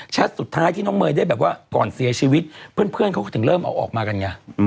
สุดท้ายที่น้องเมย์ได้แบบว่าก่อนเสียชีวิตเพื่อนเขาก็ถึงเริ่มเอาออกมากันไง